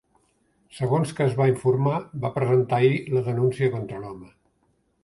Segons que es va informar, va presentar ahir la denúncia contra l’home.